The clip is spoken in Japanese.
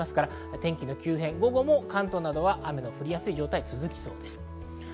天気の急変、関東などは雨の降りやすい状態が続きそうです。